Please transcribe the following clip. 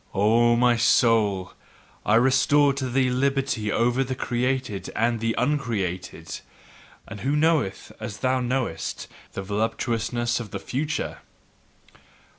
O my soul, I restored to thee liberty over the created and the uncreated; and who knoweth, as thou knowest, the voluptuousness of the future?